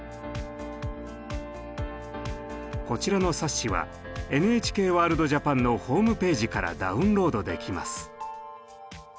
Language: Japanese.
こちらの冊子は「ＮＨＫワールドＪＡＰＡＮ」のホームページからダウンロードできます。